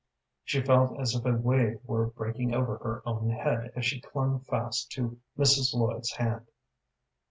She felt as if a wave were breaking over her own head as she clung fast to Mrs. Lloyd's hand.